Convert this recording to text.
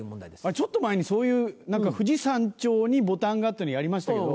ちょっと前にそういう「富士山頂にボタンが」っていうのやりましたけど。